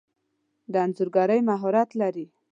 د انځورګری مهارت لرئ؟